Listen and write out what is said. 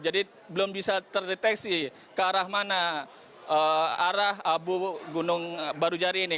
jadi belum bisa terdeteksi ke arah mana arah abu gunung baru jari ini